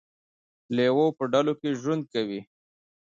لیوه په ډلو کې ژوند کوي